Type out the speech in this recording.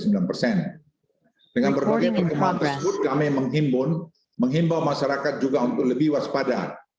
dengan berbagi kemampuan tersebut kami menghimbun menghimbau masyarakat juga untuk lebih waspada